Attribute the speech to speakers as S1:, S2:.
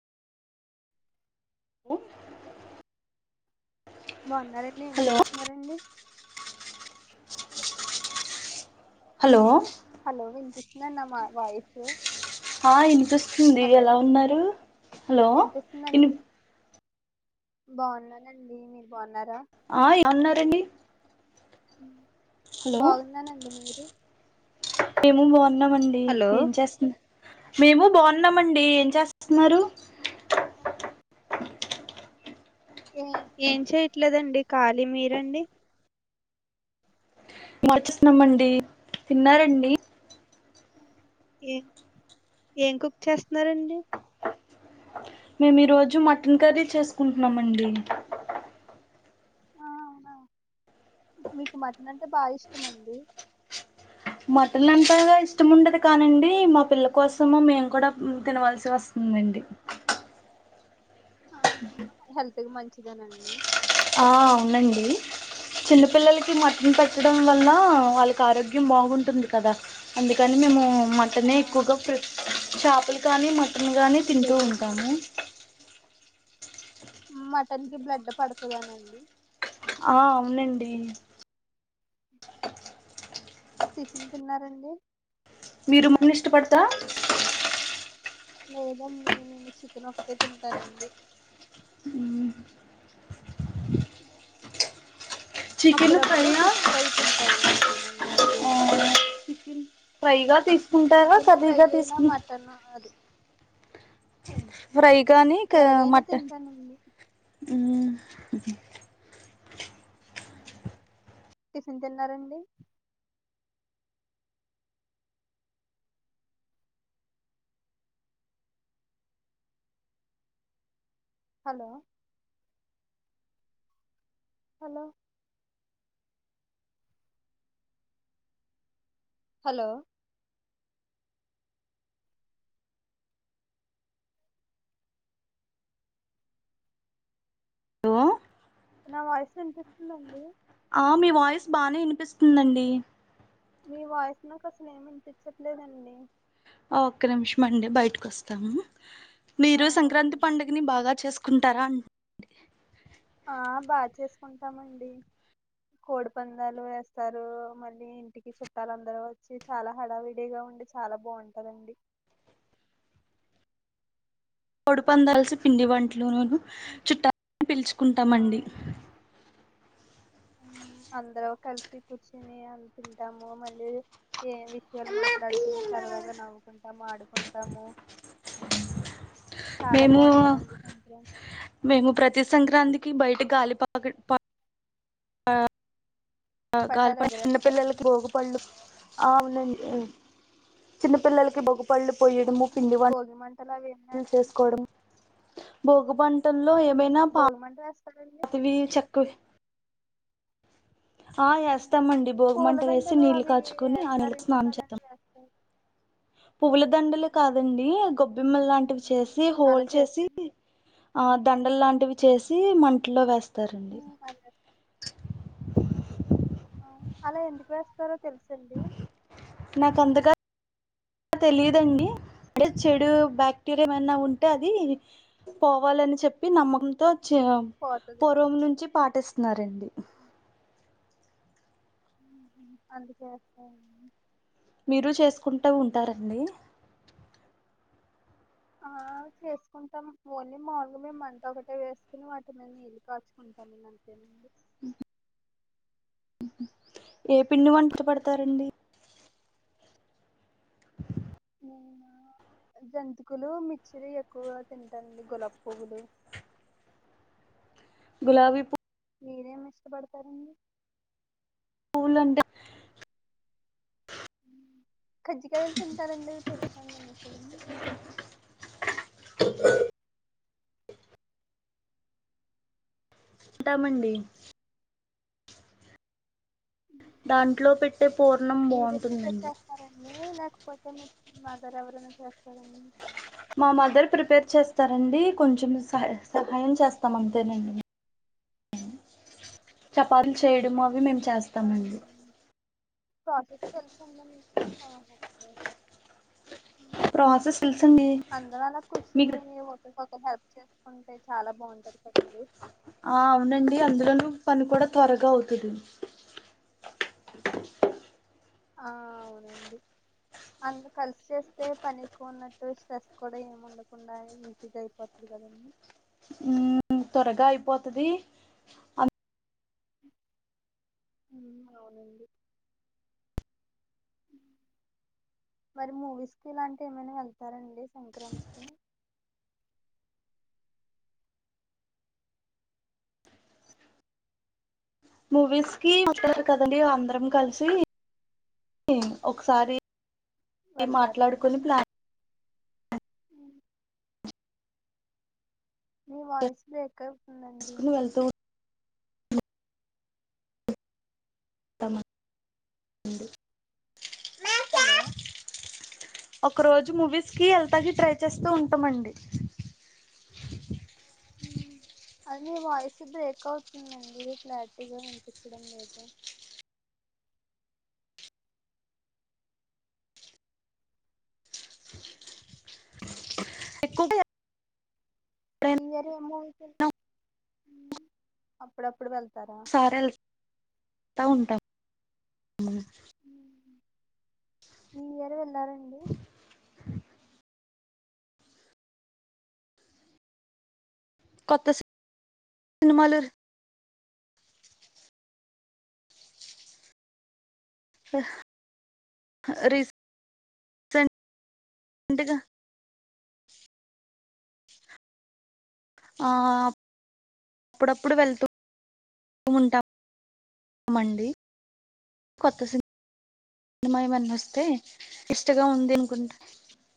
S1: Hello
S2: బాగున్నారండి ఏం చేస్తున్నారండి
S1: హలో
S2: హలో వినిపిస్తుంది నా మా వాయిస్
S1: ఆ వినిపిస్తుంది
S2: హలో
S1: ఎలా ఉన్నారు హలో
S2: వినిపిస్తుందండి
S1: ఇనిపి
S2: బాగున్నానండి మీరు బాగున్నారా
S1: ఆ ఏమన్నారండి
S2: ఉ బాగున్నానండి మీరు
S1: ఏమ బో ఉన్నామండి
S2: హలో
S1: ఏం చేస్తున్నా మేము బాగున్నామండి ఏం చేస్తున్నారు
S2: ఏ ఏం చెయట్లేదండి ఖళీ మీరండి
S1: మ్యాచ్స్తున్నామండి తిన్నారంండి
S2: ఏ ఏం కుక్ చేస్తున్నారంండి
S1: మేము ఈరోోజు మటన్ కర్రీ చేసుకుంటున్నామండి
S2: ఆ అవునా మీకు మటన్ అంటే బాగా ఇష్టంండి
S1: మట్టన్ అంతగా ఇష్టం ఉండదు కానండి మా పిల్ల కోసము మేము కూడా తినవల్సి వస్తుందండి
S2: ఆహా హెల్త్కిి మంచిదేనండి
S1: ఆ అవునండి చిన్నపిల్లలకి మటన్ పెట్టడం వల్ల వాళ్ళకి ఆరోగ్యం బాగుంటుంది కదా అందుకని మేము
S2: ఆ
S1: మటనే ఎకుగా ప్రీ చేాపలు కానీ మ గాని తింటూ
S2: ప్రిపేర్ చేస్తా
S1: ఉంటాము
S2: మటన్ కి బ్లెడ్ పడుతుందానండి
S1: ఆ అవునండి
S2: టిఫిన్ తిన్నారండి
S1: మీరు మన్న ఇష్టపడతా
S2: లేనమ్మ నేను చికెన్ ఒకటే తింటానండి
S1: ఉమ్ చికెన్
S2: అప్పుడప్పుడు
S1: ఫ్రైయా
S2: ఫిష్ ఫ్రై తింటారండి అంతేనండి దనికి
S1: ఆ
S2: ఏమి మటన్
S1: ఫ్రైగా తీసుకుంటారా
S2: చికెన్ ఫ్రై
S1: కర్రీగా
S2: అయినా
S1: తీసుకుంట
S2: మటన్ అది
S1: ఫ్రై కానీ క
S2: ఎలాగైనా
S1: మటన్
S2: తింటానండి
S1: ఉమ్
S2: టిఫిన్ తిన్నారంండి హలో హలో హలో
S1: హలో
S2: నా వాయిసు వినిపిస్తుందా అండి
S1: ఆహ్ మీ వాయిస్ బానే ఇనిపిస్తుందండి.
S2: మీ వాయిస్ నాకు అసలు ఏమి ఇనిపించట్లేదండి
S1: ఆహ్ ఒక్క నిమిషం మండి బయటకు వస్తాను.
S2: ఆ
S1: మీరు
S2: ఓకే
S1: సంక్రాంతి
S2: అండి
S1: పండుగని బాగా చేసుక్. కుంటారా అండి
S2: ఆహ్ బాచేసుకుంటామండి కోడి పందాలు వేస్తారు మళ్ళీ ఇంటికి చుట్టాలు అందరు వచ్చి చాలా హడావిడిగా ఉండి చాలా బావుటదండి.
S1: కోడి పందాల్స్ పిండి వంటలునును చుట్టాల్ని పిలుచు.
S2: ఆహ్ అందరు. కల్సి కూర్చుని అన్ని తింటాము మళ్ళీ. ఏ విషయాలు మాట్లాడుకుని సరదాగా నవ్వుకుంటాం ఆడు. ఉంటాము.
S1: మేమూ మేము ప్రతి సంక్రాంతి. కి బయట గాలి ప గ ల్ ప ఆహ్ గాల్
S2: పటాలు
S1: ప చిన్న
S2: ఎగరేస్తారండి
S1: పిల్లలకి భోగి పళ్ళు. చిన్న పిల్లలకి భోగ్ పళ్ళు పోయ్యడము పిండి
S2: భోగి మంటలు అవి ఏం
S1: వంటలు
S2: వేస్తారు
S1: చేసుకోడం భోగ మంటల్లో ఏమైనా పా
S2: భోగి మంట వేస్తారండి
S1: తవి చెక్కవి. ఆహ్ ఎస్తామండి భోగమంట వేసి
S2: పూలదండలు
S1: నీళ్ళు
S2: అవి
S1: కాచుకుని ఆ నీళ్ళతో
S2: వేస్తారేమో
S1: స్నానం
S2: కదండి
S1: చేస్తాం.
S2: వేస్తారు
S1: పువ్వుల దండలు కాదండి గొబ్బిమ్మ లాంటివి చేసి
S2: అలా
S1: హోలు చేసి
S2: చేస్తే
S1: ఆహ్ దండలు లాంటివి. చేసి మంటలో వేస్. స్తారండి
S2: అలా ఎందుకు వేస్తారు. తెలుసండి.
S1: తెలిదండి అంటే చెడు బాక్టీరియా ఏమన్నా ఉంటే అది పోవాలని చెప్పి నమ్మకంతో. చెఆమ్
S2: పోతదని
S1: పూర్వం నుంచి పాటిస్. నరండి
S2: మ్మ్ హు అందుకే వస్తాయని
S1: మీరు చేసుకుంటా ఉంటారండి.
S2: ఆహ్హ్ చేసుకుంటాం ఓన్లీ మాల్ గ మేమ్ మంట ఒకటే వేస్కుని వాటి మీద నీళ్ళు కాచుకుంటాం అండి అంతేనండి.
S1: ఉహు ఏ పిండి వంట పెడతారండి.
S2: నేనా ఆహ్ జంతికులు మిచ్చిరి ఎక్కువ తింటాండి గులాపువ్వులు
S1: గులాబీ పూ
S2: మీరేమి ఇష్టపడతారండి.
S1: పూలంటే
S2: కజ్జికాయలు తింటారండి అవి తెలుసా అండి మీకు.
S1: ఉంటామండి దాంట్లో పెట్టే పూర్ణం
S2: మీరే
S1: బాగుంటుందండి
S2: మాదర్ ఎవరైనా చేస్తారండి
S1: మా మదర్ ప్రిపేర్ చేస్తారండి, కొంచెం సహ సహాయం చేస్తాం అంతేనండి చపాతీలు చేయడం అవి మేము చేస్తామండి
S2: ప్రాసెస్ తెలుసండి మీకు ఓకే
S1: ప్రాసెస్ తెలుసండి
S2: అందరూ అలా కూర్చుని
S1: మీకు
S2: ఒకరికొకరు హెల్ప్ చేసుకుంటే చాలా బాగుంటది కదండి
S1: ఆ అవునండి అందులోనూ పని కూడా త్వరగా అవుతది
S2: ఆ అవునండి అందు కలిసి చేస్తే పని ఎక్కువ ఉన్నట్టు స్ట్రెస్ కూడా ఏమి ఉండకుండా, ఈజీగా అయిపోతుది కదండీ
S1: మ్ త్వరగా అయిపోతది అద్
S2: ఉ అవునండి మరి మూవీస్ కి ఇలాంటి ఏమైనా వెళ్తారండి సంక్రాంతికి
S1: మూవీస్ కి అ కదిలి అందరం కలిసి
S2: ఉమ్,
S1: ఒకసారి
S2: వెళ్తారండి
S1: మాట్లాడుకోని ప్లాన్
S2: ఉమ్, నీ వాయిస్ బ్రే ఎక్కవుతుందండి
S1: చేసుకుని వెళ్తూ తమ [inaudible]
S2: హలో
S1: ఒక రోజు మూవీస్కి వెళ్తాకి ట్రై చేస్తూ ఉంటామండి
S2: ఉమ్ అది వాయిస్ బ్రేక్ అవుతుందండి ఇ క్లారిటీగా వినిపించడం లేదు
S1: [inaudible] ఎప్పుడైనా
S2: [inaudible] అప్పుడప్పుడు వెళ్ తరా
S1: తవుంటాం మన
S2: ఈ ఇయరేల్ తరండి
S1: కొత్త సిం సినిమాలురు హా ఆ రీస్ స్వేంట్ ట్ గా ఆ అప్ అప్పుడప్పుడు వెళ్తూ ఉంటాం మండి కొత్త సినిమ్ సినిమా ఏమన్నా వస్తే వెస్టుగా ఉంది ఇంకో